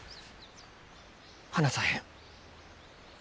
離さへん。